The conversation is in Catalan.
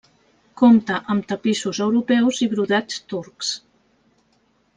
Compta amb tapissos europeus i brodats turcs.